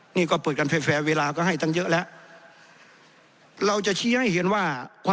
นี่ก็เปิดกันแฟร์แฟร์เวลาก็ให้ตั้งเยอะแล้ว